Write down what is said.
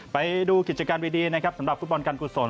ไปดูกิจการวีดีสำหรับฟุตบอลกันกุศล